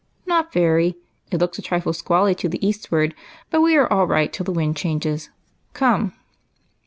" Not very ; it looks a trifle squally to the eastward, but we are all right till the wind changes. Come."